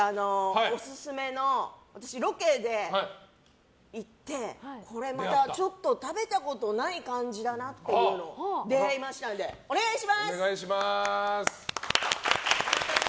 オススメの、ロケで行ってこれまたちょっと食べたことない感じだなっていうのに出会いましたのでお願いします。